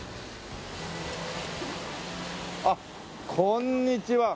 あっこんにちは。